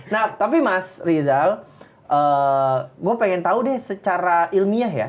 nah tapi mas rizal gue pengen tahu deh secara ilmiah ya